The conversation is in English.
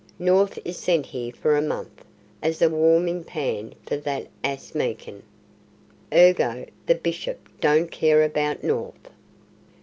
North is sent here for a month, as a warming pan for that ass Meekin. Ergo, the Bishop don't care about North."